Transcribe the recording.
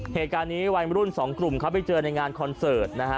เหตุการณ์นี้วัยมรุ่นสองกลุ่มเขาไปเจอในงานคอนเสิร์ตนะฮะ